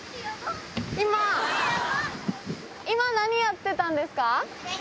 今、今何やってたんですか？